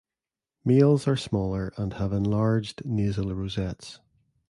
Males are smaller and have enlarged nasal rosettes.